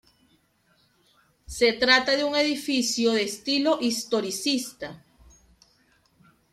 Se trata de un edificio de estilo historicista.